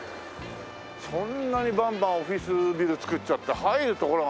そんなにバンバンオフィスビル造っちゃって入る所が。